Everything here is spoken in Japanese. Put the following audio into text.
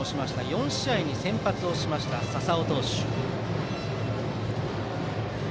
４試合に先発をしました笹尾投手。